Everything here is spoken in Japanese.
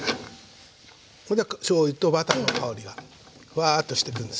これでしょうゆとバターの香りがフワーッとしてくるんです。